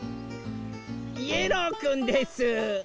イエローくんです！